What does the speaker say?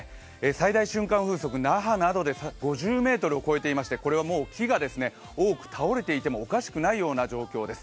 最大瞬間風速、那覇などで５０メートルを超えていましてこれはもう木が多く倒れていてもおかしくないような状況です。